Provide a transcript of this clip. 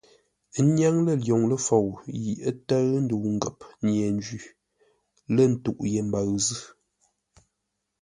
Ə́ nyâŋ lə̂ lwoŋ ləfou yi ə́ tə́ʉ ndəu ngəp nye-njwi, lə̂ ntûʼ ye mbəʉ zʉ́.